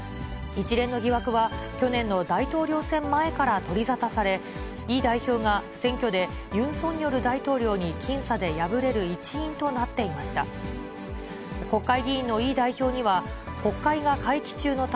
一連の疑惑は、去年の大統領選前から取り沙汰され、イ代表が選挙でユン・ソンニョル大統領に僅差で敗れる一因となっていました。